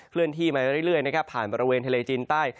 เลื่อนที่มาเรื่อยนะครับผ่านบริเวณทะเลจีนใต้